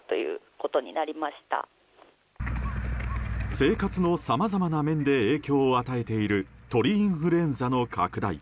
生活のさまざまな面で影響を与えている鳥インフルエンザの拡大。